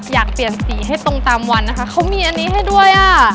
อยากเปลี่ยนสีให้ตรงตามวันนะคะเขามีอันนี้ให้ด้วยอ่ะ